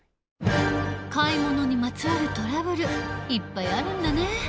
買い物にまつわるトラブルいっぱいあるんだね。